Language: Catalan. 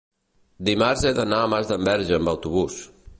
dimarts he d'anar a Masdenverge amb autobús.